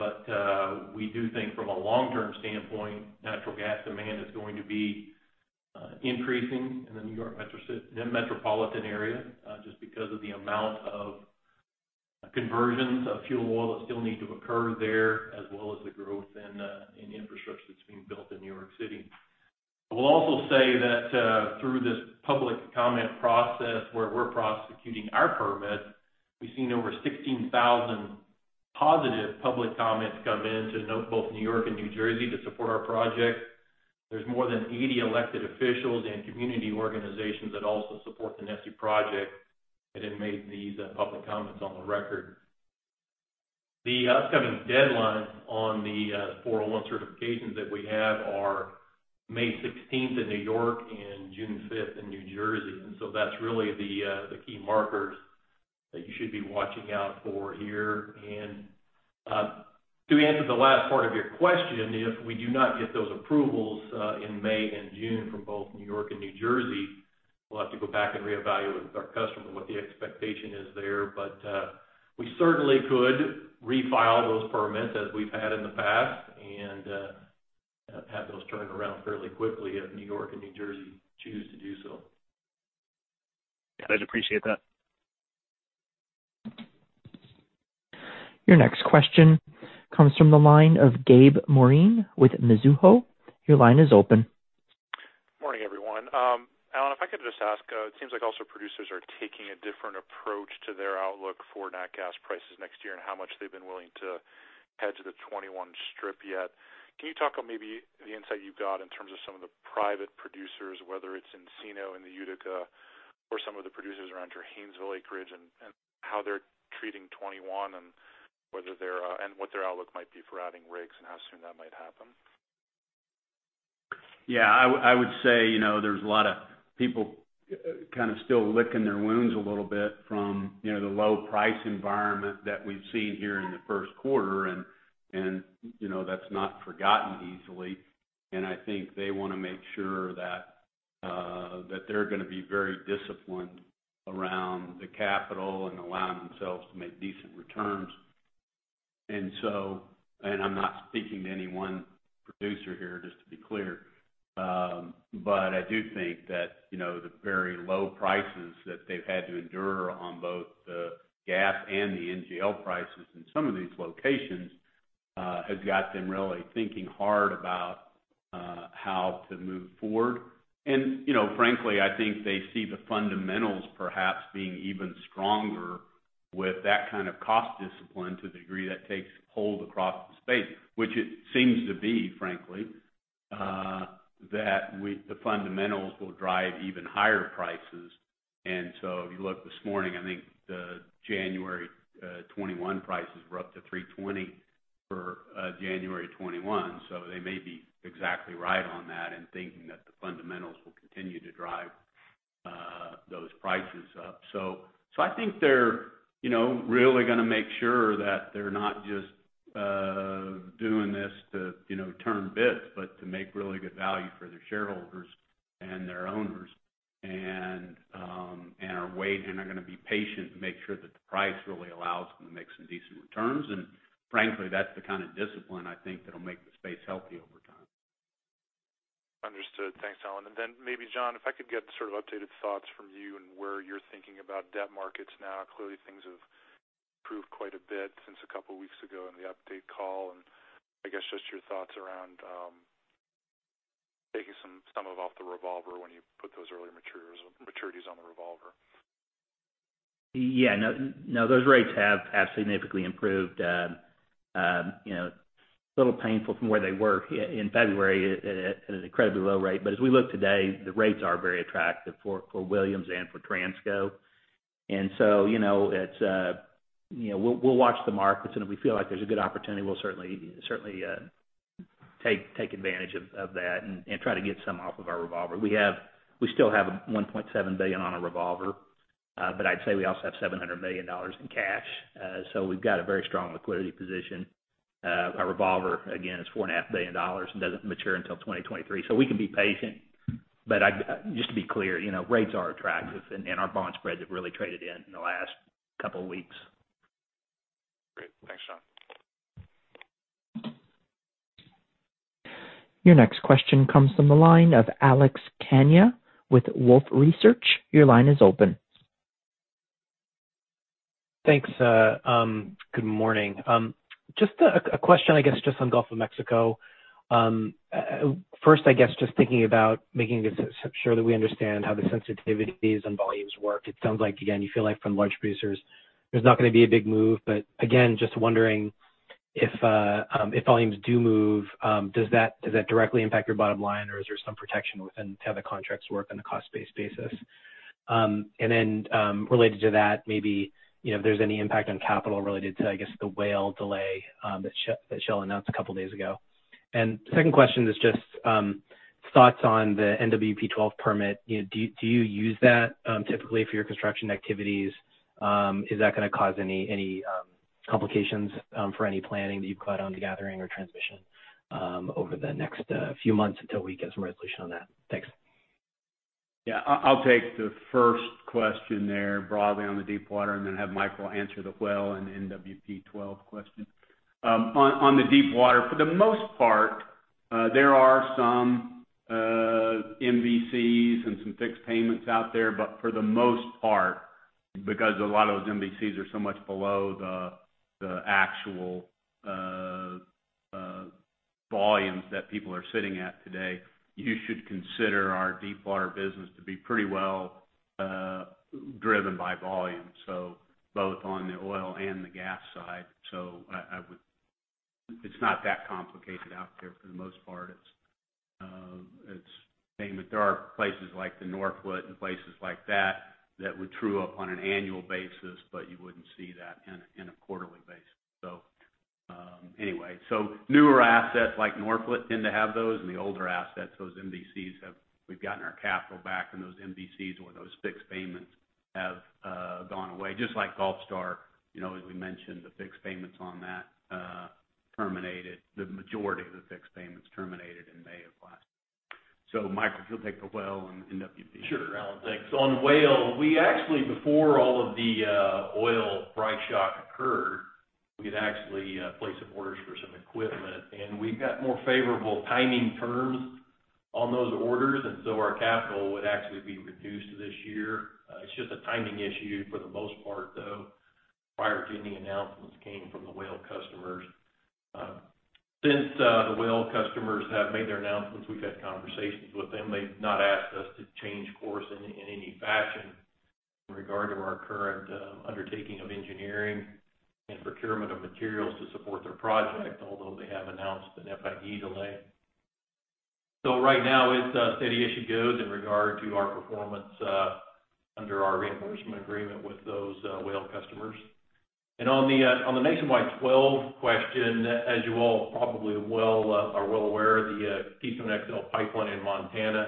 We do think from a long-term standpoint, natural gas demand is going to be increasing in the New York metropolitan area, just because of the amount of conversions of fuel oil that still need to occur there, as well as the growth in infrastructure that's being built in New York City. I will also say that through this public comment process where we're prosecuting our permit, we've seen over 16,000 positive public comments come in to note both New York and New Jersey to support our project. There's more than 80 elected officials and community organizations that also support the NESI project and have made these public comments on the record. The upcoming deadlines on the 401 certifications that we have are May 16th in New York and June 5th in New Jersey. That's really the key markers that you should be watching out for here. To answer the last part of your question, if we do not get those approvals in May and June from both New York and New Jersey, we'll have to go back and reevaluate with our customer what the expectation is there. We certainly could refile those permits as we've had in the past and have those turned around fairly quickly if New York and New Jersey choose to do so. Yeah, I'd appreciate that. Your next question comes from the line of Gabe Moreen with Mizuho. Your line is open. Morning, everyone. Alan, if I could just ask, it seems like also producers are taking a different approach to their outlook for nat gas prices next year and how much they've been willing to hedge the 2021 strip yet. Can you talk on maybe the insight you've got in terms of some of the private producers, whether it's Encino in the Utica or some of the producers around Haynesville, acreage, and how they're treating 2021, and what their outlook might be for adding rigs and how soon that might happen? Yeah, I would say there's a lot of people kind of still licking their wounds a little bit from the low price environment that we've seen here in the first quarter, and that's not forgotten easily. I think they want to make sure that they're going to be very disciplined around the capital and allowing themselves to make decent returns. I'm not speaking to any one producer here, just to be clear. I do think that the very low prices that they've had to endure on both the gas and the NGL prices in some of these locations, has got them really thinking hard about how to move forward. Frankly, I think they see the fundamentals perhaps being even stronger with that kind of cost discipline to the degree that takes hold across the space. Which it seems to be, frankly, that the fundamentals will drive even higher prices. If you look this morning, I think the January 2021 prices were up to $3.20 for January 2021. They may be exactly right on that in thinking that the fundamentals will continue to drive those prices up. I think they're really going to make sure that they're not just doing this to turn bits, but to make really good value for their shareholders and their owners. They are going to be patient and make sure that the price really allows them to make some decent returns. frankly, that's the kind of discipline I think that'll make the space healthy over time. Understood. Thanks, Alan. Maybe, John, if I could get sort of updated thoughts from you on where you're thinking about debt markets now. Clearly things have improved quite a bit since a couple of weeks ago on the update call. I guess just your thoughts around taking some off the revolver when you put those early maturities on the revolver. Yeah. Those rates have significantly improved. A little painful from where they were in February at an incredibly low rate. As we look today, the rates are very attractive for Williams and for Transco. We'll watch the markets, and if we feel like there's a good opportunity, we'll certainly take advantage of that and try to get some off of our revolver. We still have $1.7 billion on our revolver. I'd say we also have $700 million in cash. We've got a very strong liquidity position. Our revolver, again, is $4.5 billion and doesn't mature until 2023, so we can be patient. Just to be clear, rates are attractive, and our bond spreads have really traded in the last couple of weeks. Great. Thanks, John. Your next question comes from the line of Alex Kania with Wolfe Research. Your line is open. Thanks. Good morning. Just a question, I guess, just on Gulf of Mexico. First, I guess just thinking about making sure that we understand how the sensitivities and volumes work. It sounds like, again, you feel like from large producers, there's not going to be a big move. Again, just wondering if volumes do move, does that directly impact your bottom line, or is there some protection within how the contracts work on a cost-based basis? Then, related to that, maybe if there's any impact on capital related to, I guess, the Whale delay that Shell announced a couple of days ago. The second question is just thoughts on the NWP-12 permit. Do you use that typically for your construction activities? Is that going to cause any complications for any planning that you've got on the gathering or transmission over the next few months until we get some resolution on that? Thanks. Yeah. I'll take the first question there broadly on the deepwater and then have Micheal answer the Whale and NWP-12 question. On the deepwater, for the most part, there are some MVCs and some fixed payments out there. For the most part, because a lot of those MVCs are so much below the actual volumes that people are sitting at today, you should consider our deepwater business to be pretty well driven by volume, so both on the oil and the gas side. It's not that complicated out there for the most part. There are places like the Norphlet and places like that that would true up on an annual basis, but you wouldn't see that in a quarterly basis. Newer assets like Norphlet tend to have those, and the older assets, those MVCs. We've gotten our capital back, and those MVCs or those fixed payments have gone away. Just like Gulfstar, as we mentioned, the fixed payments on that terminated. The majority of the fixed payments terminated in May of last year. Micheal, if you'll take the Whale and NWP. Sure, Alan. Thanks. On Whale, we actually, before all of the oil price shock occurred, we had actually placed some orders for some equipment. We've got more favorable timing terms on those orders, our capital would actually be reduced this year. It's just a timing issue for the most part, though, prior to any announcements came from the Whale customers. Since the Whale customers have made their announcements, we've had conversations with them. They've not asked us to change course in any fashion in regard to our current undertaking of engineering and procurement of materials to support their project, although they have announced an FID delay. Right now, it's steady as she goes in regard to our performance under our reimbursement agreement with those Whale customers. On the Nationwide 12 question, as you all probably well are well aware, the Keystone XL pipeline in Montana,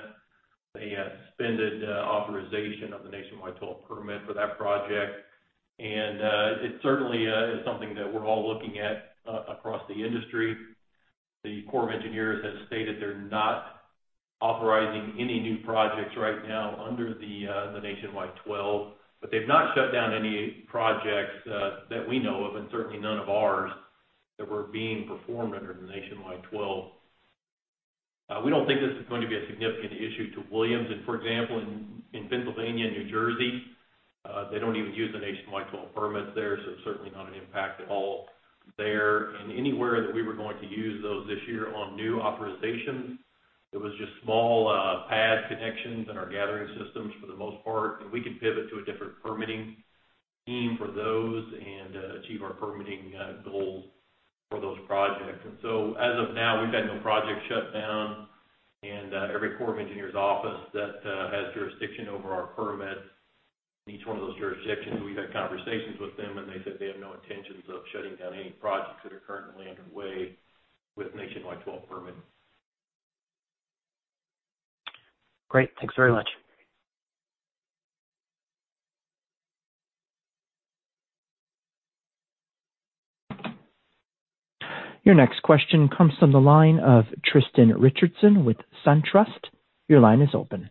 they suspended authorization of the Nationwide 12 permit for that project. It certainly is something that we're all looking at across the industry. The Corps of Engineers has stated they're not authorizing any new projects right now under the Nationwide12. They've not shut down any projects that we know of, and certainly none of ours that were being performed under the Nationwide 12. We don't think this is going to be a significant issue to Williams. For example, in Pennsylvania and New Jersey, they don't even use the Nationwide 12 permits there, certainly not an impact at all there. Anywhere that we were going to use those this year on new authorizations, it was just small pad connections in our gathering systems for the most part. We can pivot to a different permitting team for those and achieve our permitting goals for those projects. As of now, we've had no projects shut down. Every Corps of Engineers office that has jurisdiction over our permits, each one of those jurisdictions, we've had conversations with them, and they said they have no intentions of shutting down any projects that are currently underway with Nationwide 12 Permit. Great. Thanks very much. Your next question comes from the line of Tristan Richardson with SunTrust. Your line is open.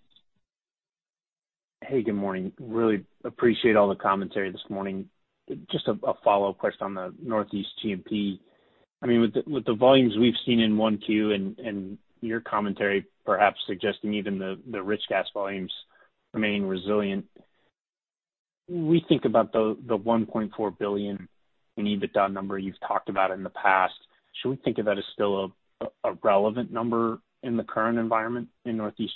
Hey, good morning. Really appreciate all the commentary this morning. Just a follow-up question on the Northeast G&P. With the volumes we've seen in 1Q and your commentary perhaps suggesting even the risk as volumes remain resilient. We think about the $1.4 billion in EBITDA number you've talked about in the past. Should we think of that as still a relevant number in the current environment in Northeast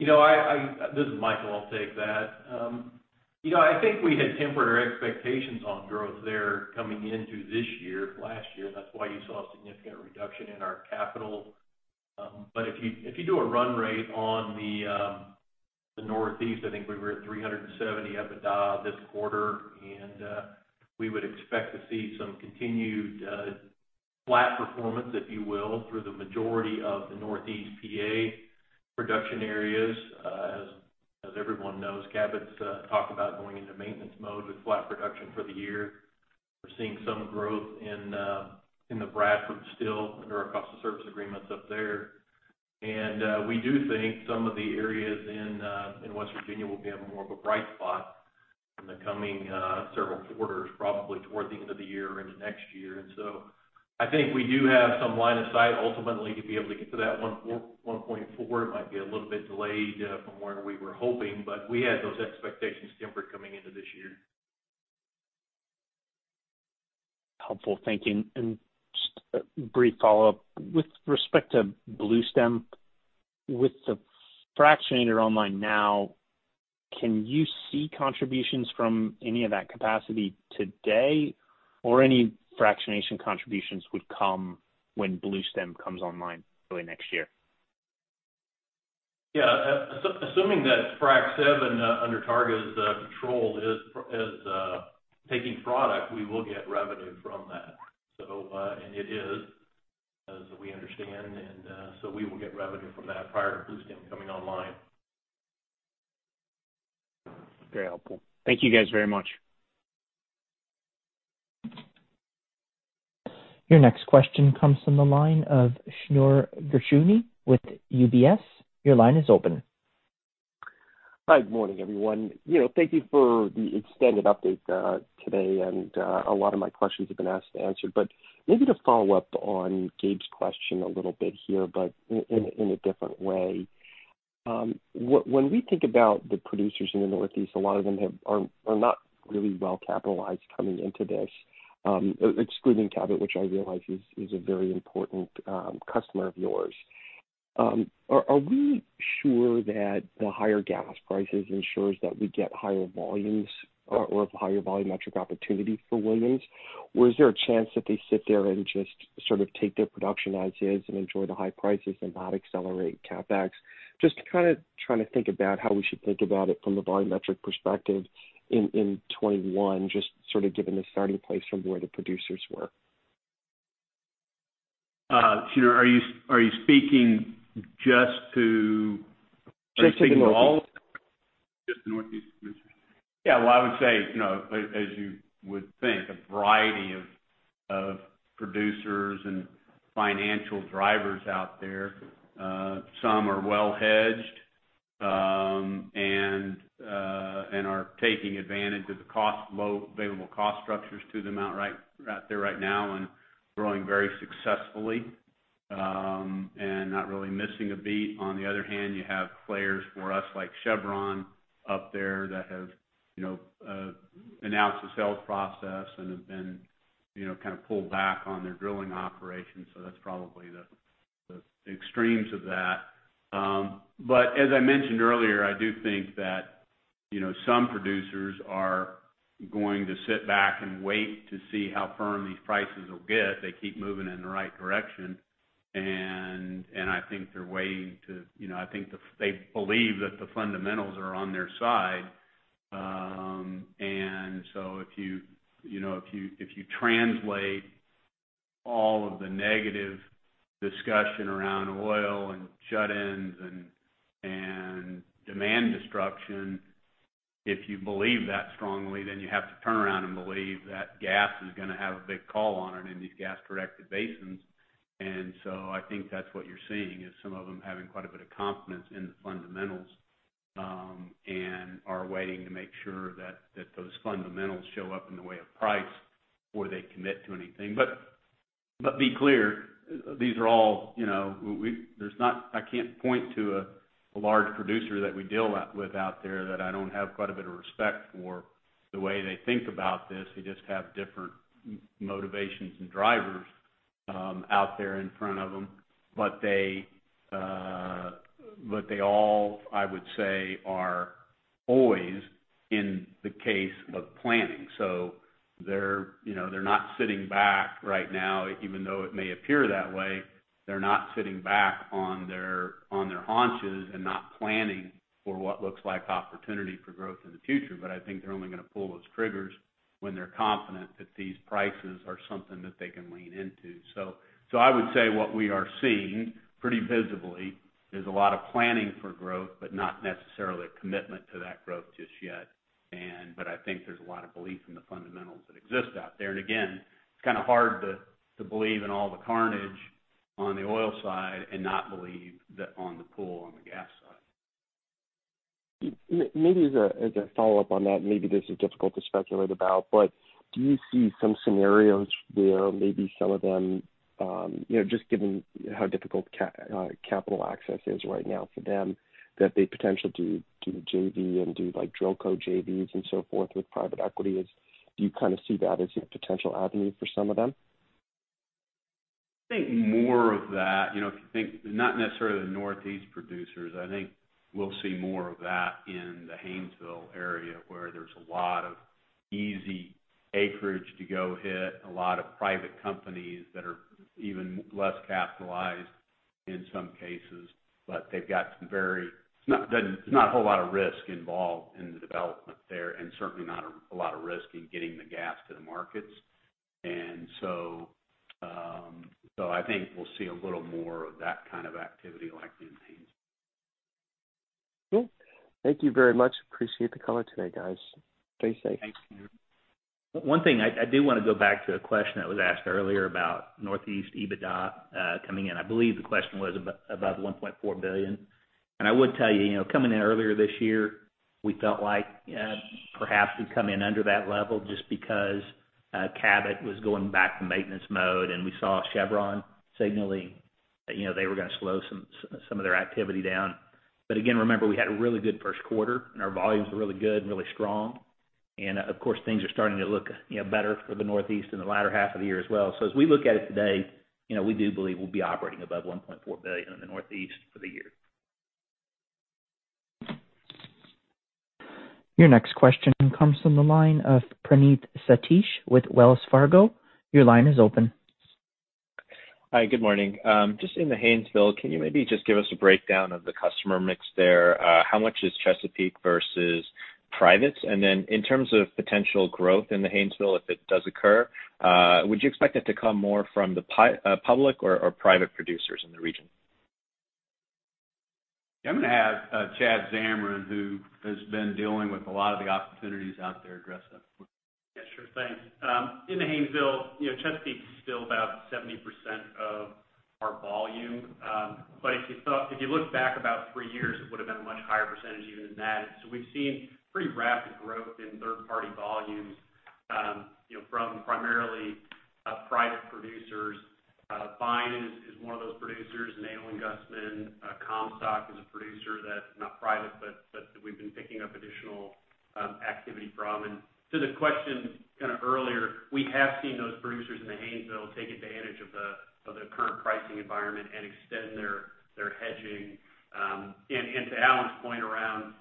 G&P? This is Micheal. I'll take that. I think we had tempered our expectations on growth there coming into this year from last year. That's why you saw a significant reduction in our CapEx. If you do a run rate on the Northeast, I think we were at $370 million EBITDA this quarter, and we would expect to see some continued flat performance, if you will, through the majority of the Northeast G&P production areas. As everyone knows, Cabot's talked about going into maintenance mode with flat production for the year. We're seeing some growth in the Bradford still under our cost of service agreements up there. We do think some of the areas in West Virginia will be more of a bright spot in the coming several quarters, probably toward the end of the year or into next year. I think we do have some line of sight ultimately to be able to get to that 1.4. It might be a little bit delayed from where we were hoping, but we had those expectations tempered coming into this year. Helpful. Thank you. Just a brief follow-up. With respect to Bluestem, with the fractionator online now, can you see contributions from any of that capacity today? Or any fractionation contributions would come when Bluestem comes online early next year? Yeah. Assuming that Train 7 under Targa's control is taking product, we will get revenue from that. It is, as we understand, and so we will get revenue from that prior to Bluestem coming online. Very helpful. Thank you guys very much. Your next question comes from the line of Shneur Gershuni with UBS. Your line is open. Hi. Good morning, everyone. Thank you for the extended update today, and a lot of my questions have been asked and answered. Maybe to follow up on Gabe's question a little bit here, but in a different way. When we think about the producers in the Northeast, a lot of them are not really well capitalized coming into this. Excluding Cabot, which I realize is a very important customer of yours. Are we sure that the higher gas prices ensures that we get higher volumes or higher volumetric opportunity for Williams? Is there a chance that they sit there and just sort of take their production as is and enjoy the high prices and not accelerate CapEx? Just kind of trying to think about how we should think about it from a volumetric perspective in 2021, just sort of given the starting place from where the producers were. Shneur, are you speaking just to- Just to the Northeast. All of the Northeast producers? Yeah, well, I would say, as you would think, a variety of producers and financial drivers out there. Some are well hedged, and are taking advantage of the available cost structures to them out there right now and growing very successfully, and not really missing a beat. On the other hand, you have players for us like Chevron up there that have announced a sales process and have been kind of pulled back on their drilling operations. That's probably the extremes of that. As I mentioned earlier, I do think that some producers are going to sit back and wait to see how firm these prices will get. They keep moving in the right direction, and I think they believe that the fundamentals are on their side. If you translate all of the negative discussion around oil and shut-ins and demand destruction, if you believe that strongly, then you have to turn around and believe that gas is going to have a big call on it in these gas-corrected basins. I think that's what you're seeing, is some of them having quite a bit of confidence in the fundamentals, and are waiting to make sure that those fundamentals show up in the way of price before they commit to anything. Be clear, I can't point to a large producer that we deal with out there that I don't have quite a bit of respect for the way they think about this. They just have different motivations and drivers out there in front of them. They all, I would say, are always in the case of planning. They're not sitting back right now, even though it may appear that way. They're not sitting back on their haunches and not planning for what looks like opportunity for growth in the future. I think they're only going to pull those triggers when they're confident that these prices are something that they can lean into. I would say what we are seeing, pretty visibly, is a lot of planning for growth, but not necessarily a commitment to that growth just yet. I think there's a lot of belief in the fundamentals that exist out there. Again, it's kind of hard to believe in all the carnage on the oil side and not believe that on the pull on the gas side. Maybe as a follow-up on that, and maybe this is difficult to speculate about, but do you see some scenarios where maybe some of them, just given how difficult capital access is right now for them, that they potentially do JV and do like drill co-JVs and so forth with private equity? Do you kind of see that as a potential avenue for some of them? I think more of that, if you think, not necessarily the Northeast producers, I think we'll see more of that in the Haynesville area, where there's a lot of easy acreage to go hit, a lot of private companies that are even less capitalized in some cases. There's not a whole lot of risk involved in the development there, certainly not a lot of risk in getting the gas to the markets. I think we'll see a little more of that kind of activity like in Haynesville. Cool. Thank you very much. Appreciate the color today, guys. Stay safe. Thanks, Shneur. One thing, I do want to go back to a question that was asked earlier about Northeast EBITDA coming in. I believe the question was above $1.4 billion. I would tell you, coming in earlier this year, we felt like perhaps we'd come in under that level just because Cabot was going back to maintenance mode, and we saw Chevron signaling that they were going to slow some of their activity down. Again, remember, we had a really good first quarter, and our volumes were really good and really strong. Of course, things are starting to look better for the Northeast in the latter half of the year as well. As we look at it today, we do believe we'll be operating above $1.4 billion in the Northeast for the year. Your next question comes from the line of Praneeth Satish with Wells Fargo. Your line is open. Hi, good morning. Just in the Haynesville, can you maybe just give us a breakdown of the customer mix there? How much is Chesapeake versus privates? In terms of potential growth in the Haynesville, if it does occur, would you expect it to come more from the public or private producers in the region? I'm going to have Chad Zamarin, who has been dealing with a lot of the opportunities out there, address that. Yeah, sure thing. In the Haynesville, Chesapeake's still about 70% of our volume. If you look back about three years, it would've been a much higher percentage even than that. We've seen pretty rapid growth in third-party volumes, from primarily private producers. Vine is one of those producers, Nalen Gusman. Comstock is a producer that's not private, but that we've been picking up additional activity from. To the question kind of earlier, we have seen those producers in the Haynesville take advantage of the current pricing environment and extend their hedging. To Alan's point around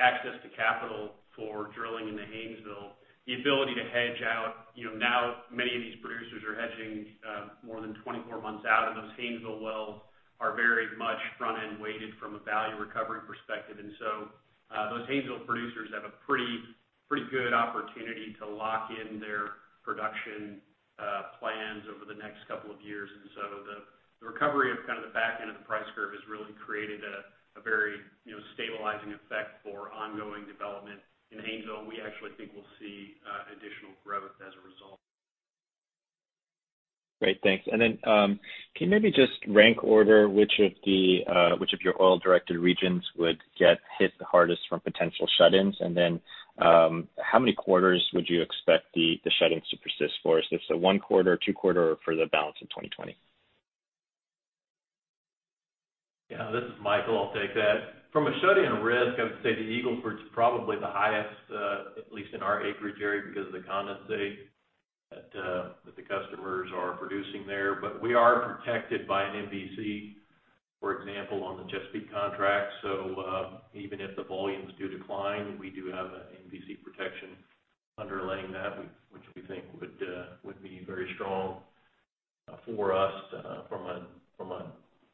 access to capital for drilling in the Haynesville, the ability to hedge out, now many of these producers are hedging more than 24 months out, and those Haynesville wells are very much front-end weighted from a value recovery perspective. Those Haynesville producers have a pretty good opportunity to lock in their production plans over the next couple of years. The recovery of kind of the back end of the price curve has really created a very stabilizing effect for ongoing development in Haynesville, and we actually think we'll see additional growth as a result. Great, thanks. Can you maybe just rank order which of your oil-directed regions would get hit the hardest from potential shut-ins? How many quarters would you expect the shut-ins to persist for? Is this a one quarter, two quarter, or for the balance of 2020? Yeah, this is Micheal. I'll take that. From a shut-in risk, I would say the Eagle Ford's probably the highest, at least in our acreage area, because of the condensate that the customers are producing there. We are protected by an MVC, for example, on the Chesapeake contract. Even if the volumes do decline, we do have an MVC protection underlying that, which we think would be very strong for us from a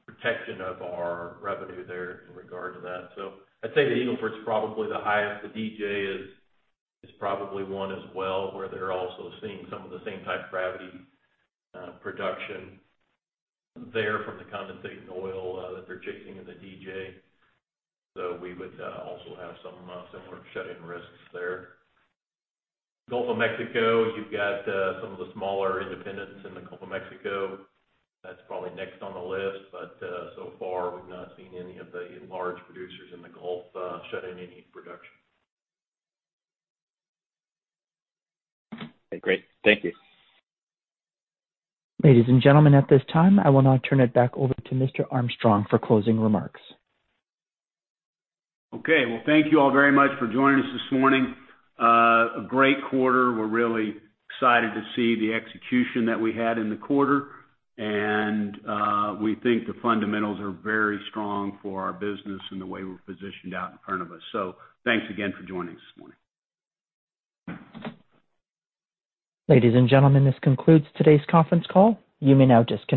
protection of our revenue there in regard to that. I'd say the Eagle Ford's probably the highest. The DJ is probably one as well, where they're also seeing some of the same type of gravity production there from the condensate and oil that they're chasing in the DJ. We would also have some similar shut-in risks there. Gulf of Mexico, you've got some of the smaller independents in the Gulf of Mexico. That's probably next on the list. So far, we've not seen any of the large producers in the Gulf shut in any production. Okay, great. Thank you. Ladies and gentlemen, at this time, I will now turn it back over to Mr. Armstrong for closing remarks. Okay. Well, thank you all very much for joining us this morning. A great quarter. We're really excited to see the execution that we had in the quarter. We think the fundamentals are very strong for our business and the way we're positioned out in front of us. Thanks again for joining us this morning. Ladies and gentlemen, this concludes today's conference call. You may now disconnect.